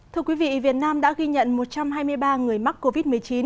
thưa quý vị việt nam đã ghi nhận một trăm hai mươi ba người mắc covid một mươi chín